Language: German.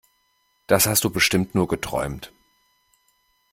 Das hast du bestimmt nur geträumt!